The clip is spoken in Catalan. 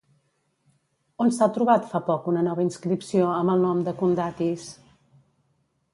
On s'ha trobat fa poc una nova inscripció amb el nom de Condatis?